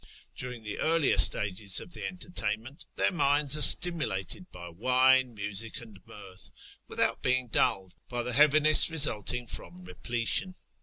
During the earlier stages of the entertainment their minds are stimulated by wine, music, and mirth, without being dulled by the heaviness resulting from repletion.